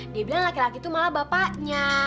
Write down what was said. dia bilang laki laki itu malah bapaknya